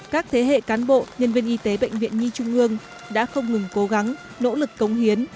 các thế hệ cán bộ nhân viên y tế bệnh viện nhi trung ương đã không ngừng cố gắng nỗ lực cống hiến